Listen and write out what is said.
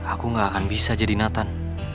aku gak akan bisa jadi nathan